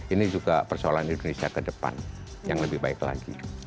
ini juga persoalan indonesia ke depan yang lebih baik lagi